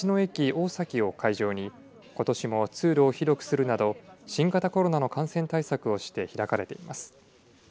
道の駅おおさきを会場にことしも通路を広くするなど新型コロナの感染対策をして開かれています。